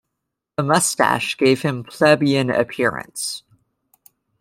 The mustache gave him plebeian appearance.